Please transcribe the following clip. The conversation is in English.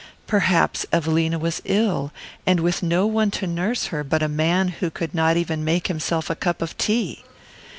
Perhaps Evelina was ill, and with no one to nurse her but a man who could not even make himself a cup of tea!